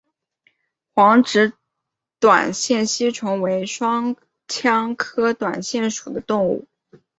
横殖短腺吸虫为双腔科短腺属的动物。